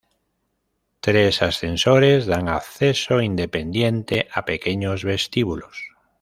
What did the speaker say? Tres ascensores dan acceso independiente a pequeños vestíbulos.